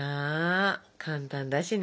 簡単だしね。